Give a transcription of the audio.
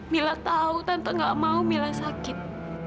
mila tahu tanpa gak mau mila sakit